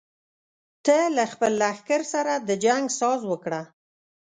ته له خپل لښکر سره د جنګ ساز وکړه.